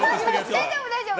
大丈夫大丈夫。